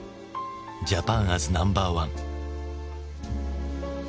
「ジャパン・アズ・ナンバーワン」。